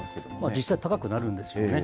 実際、高くなるんですよね。